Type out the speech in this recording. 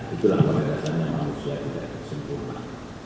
itulah kebenaran manusia tidak sempurna